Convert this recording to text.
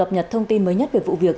và gặp nhật thông tin mới nhất về vụ việc